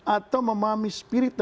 atau memahami spiritnya itu saja